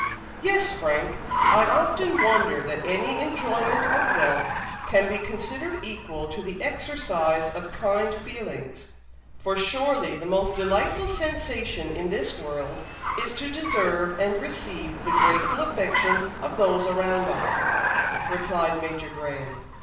"Yes, Frank, I often wonder that any enjoyment of wealth can be considered equal to the exercise of kind feelings, for surely the most delightful sensation in this world is, to deserve and receive the grateful affection of those around us," replied Major Graham.